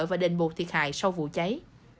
và đền bột thiệt hại sau vụ cháy